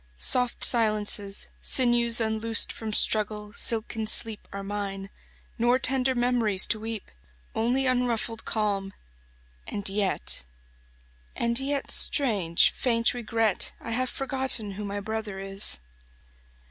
Soft silences, Sinews unloosed from struggle, silken sleep, 27 Are mine; nor tender memories to weep. Only unruffled calm; and yet — and yet — Strange, faint regret — I have forgotten who my brother is!